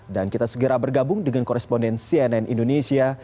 dan kita segera bergabung dengan koresponden cnn indonesia